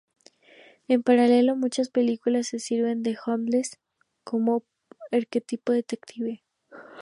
En paralelo, muchas películas se sirven de Holmes como un arquetipo de detective.